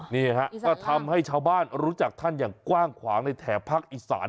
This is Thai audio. นี่ฮะก็ทำให้ชาวบ้านรู้จักท่านอย่างกว้างขวางในแถบภาคอีสาน